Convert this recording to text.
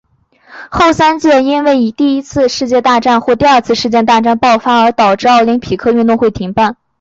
后三届是因为第一次世界大战或者第二次世界大战爆发而导致奥林匹克运动会停办。